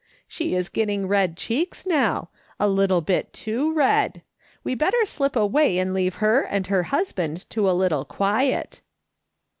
" She is getting red cheeks now ; a little bit too red. We better slip away and leave her and her husband to a little quiet."